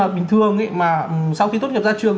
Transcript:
bình thường mà sau khi tốt nhập ra trường